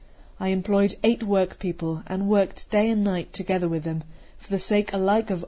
I employed eight work people, and worked day and night together with them, for the sake alike of honour and of gain.